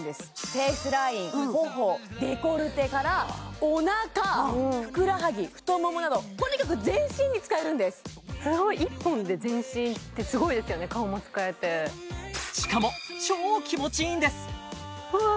フェイスラインほほデコルテからおなかふくらはぎ太ももなどとにかく全身に使えるんです顔も使えてしかも超気持ちいいんですうわっ